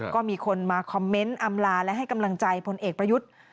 ก็มีคนมาคอมเมนต์อำลาและให้กำลังใจพลเอกประยุทธ์